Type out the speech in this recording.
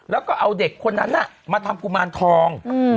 แล้วก็เอาเด็กคนนั้นมาทำกุมารทอง